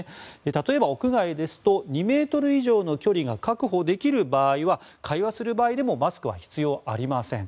例えば、屋外ですと２ｍ以上の距離が確保できる場合は会話する場合でもマスクは必要ありません。